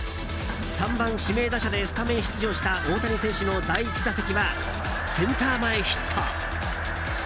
３番、指名打者でスタメン出場した大谷選手の第１打席はセンター前ヒット。